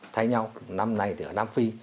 thay nhau năm nay thì ở nam phi